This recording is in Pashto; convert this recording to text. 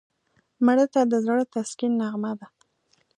مړه ته د زړه تسکین نغمه ده